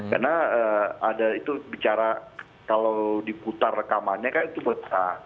karena ada itu bicara kalau diputar rekamannya kan itu bertahap